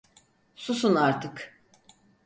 Susun artık!